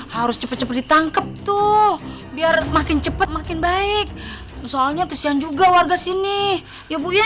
harus cepet cepet ditangkep tuh biar makin cepat makin baik soalnya kasihan juga warga sini ya bu ya